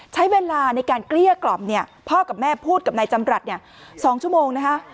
ใช้เวลาในการเกลี้ยกล่อมพ่อกับแม่พูดกับนายจำรัฐ๒ชั่วโมง